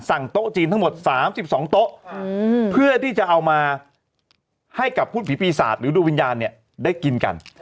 โต๊ะจีนทั้งหมด๓๒โต๊ะเพื่อที่จะเอามาให้กับพูดผีปีศาจหรือดวงวิญญาณเนี่ยได้กินกัน